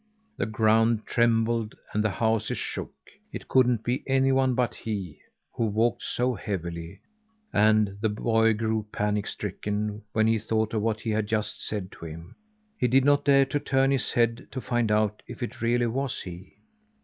The ground trembled, and the houses shook. It couldn't be anyone but he, who walked so heavily, and the boy grew panic stricken when he thought of what he had just said to him. He did not dare to turn his head to find out if it really was he.